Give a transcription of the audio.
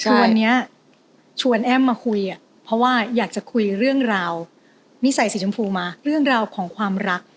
คือวันนี้ชวนแอ้มมาคุยเพราะว่าอยากจะคุยเรื่องราวนิสัยสีชมพูมาเรื่องราวของความรัก